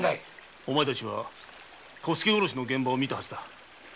お前たちは小助殺しの現場を見てる。